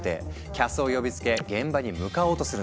キャスを呼びつけ現場に向かおうとするんだ。